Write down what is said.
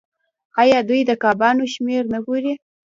آیا دوی د کبانو شمیر نه ګوري؟